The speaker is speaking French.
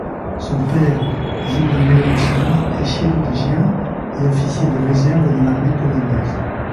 Son père, Szymon Lewinson, est chirurgien et officier de réserve dans l'armée polonaise.